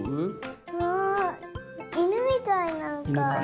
わあイヌみたいなんか。